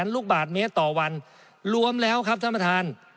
ลูกบาทเมตรต่อวันรวมแล้วครับท่านประธาน